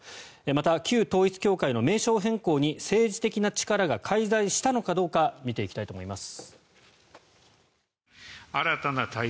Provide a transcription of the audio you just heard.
また、旧統一教会の名称変更に政治的な力が介在したのかどうか見ていきたいと思います。